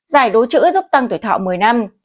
giải đấu chữ giúp tăng tuổi thọ một mươi năm